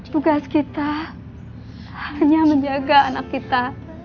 tugas kita hanya menjaga anak kita